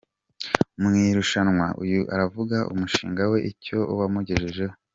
Mu irushanwa, uyu aravuga umushinga we icyo wamugejejeho.